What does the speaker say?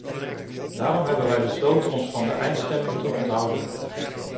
Daarom hebben wij besloten ons van de eindstemming te onthouden.